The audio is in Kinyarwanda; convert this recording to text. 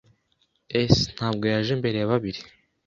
[S] Ntabwo yaje mbere ya babiri.